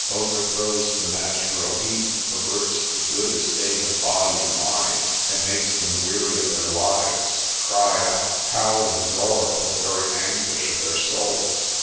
Overthrows the natural heat, perverts the good estate of body and mind, and makes them weary of their lives, cry out, howl and roar for very anguish of their souls.